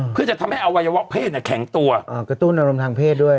เพื่อจะทำให้อวัยวะเพศแข็งตัวกระตุ้นอารมณ์ทางเพศด้วย